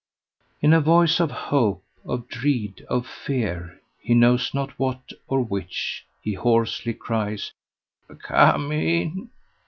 In a voice of hope, of dread, of fear, he knows not what or which, he hoarsely cries, "Come in."